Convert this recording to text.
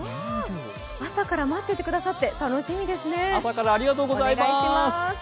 朝から待っててくださって楽しみですね、お願いします。